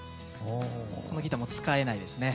このギターもう使えないですね。